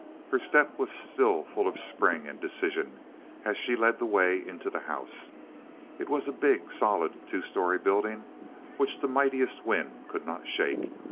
Her step was still full of spring and decision, as she led the way into the house. It was a big, solid, two story building which the mightiest wind could not shake.